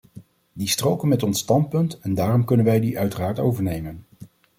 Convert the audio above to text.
Die stroken met ons standpunt en daarom kunnen wij die uiteraard overnemen.